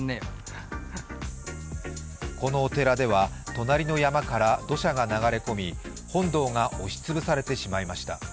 このお寺では隣の山から土砂が流れ込み、本堂が押し潰されてしまいました。